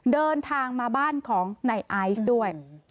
เดินทางมาบ้านของนายไอซ์ด้วย